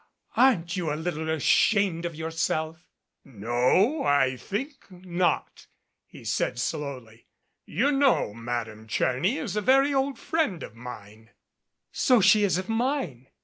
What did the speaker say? Aren't you a little ashamed of yourself?" "No, I think not," he said slowly. "You know Mad ame Tcherny is a very old friend of mine." "So she is of mine.